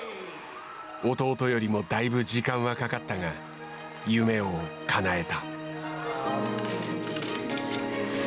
弟よりもだいぶ時間はかかったが夢をかなえた。